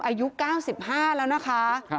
อายุ๙๕แล้วนะคะ